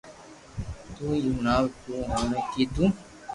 تو ھي ھڻاو تو اوڻي ڪيدو